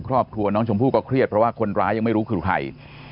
ครอบครัวน้องชมพู่ก็เครียดเพราะว่าคนร้ายยังไม่รู้คือใคร